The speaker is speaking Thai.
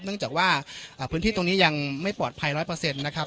เนื่องจากว่าอ่าพื้นที่ตรงนี้ยังไม่ปลอดภัยร้อยเปอร์เซ็นต์นะครับ